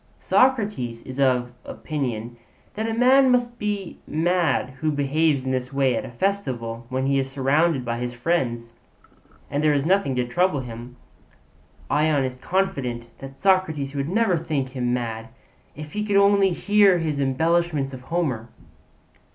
Socrates is of opinion that a man must be mad who behaves in this way at a festival when he is surrounded by his friends and there is nothing to trouble him. Ion is confident that Socrates would never think him mad if he could only hear his embellishments of Homer.